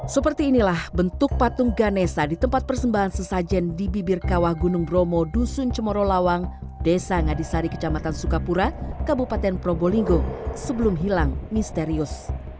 seperti inilah bentuk patung ganesa di tempat persembahan sesajen di bibir kawah gunung bromo dusun cemoro lawang desa ngadisari kecamatan sukapura kabupaten probolinggo sebelum hilang misterius